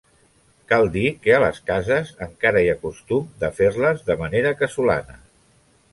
Cal dir que a les cases encara hi ha costum de fer-les de manera casolana.